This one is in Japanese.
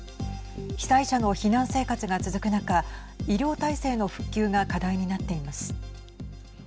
被災者の避難生活が続く中医療体制の復旧が課題になっています。